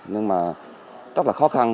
nhưng mà rất là khó khăn